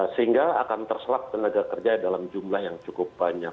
sehingga akan terserap tenaga kerja dalam jumlah yang cukup banyak